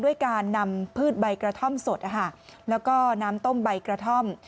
ด้วยการนำพืชใบกระท่อมสดแล้วก็น้ำต้มใบกระท่อม